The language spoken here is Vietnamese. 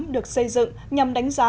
được xây dựng nhằm đánh giá